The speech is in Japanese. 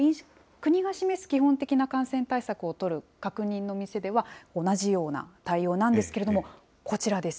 国が示す基本的な感染対策を取る確認の店では同じような対応なんですけれども、こちらです。